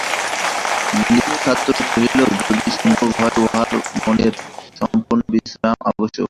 নলিনাক্ষ কহিল, যদি সম্ভব হয়, উঁহার মনের সম্পূর্ণ বিশ্রাম আবশ্যক।